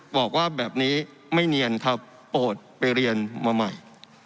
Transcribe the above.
บอกว่าแบบนี้ไม่เนียนครับโปรดไปเรียนมาใหม่